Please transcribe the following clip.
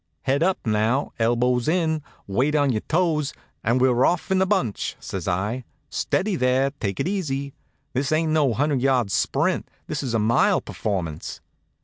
"Head up now, elbows in, weight on your toes, an' we're off in a bunch!" says I. "Steady there, take it easy! This ain't no hundred yard sprint; this is a mile performance.